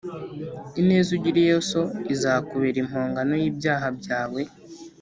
Ineza ugiriye so izakubera impongano y’ibyaha byawe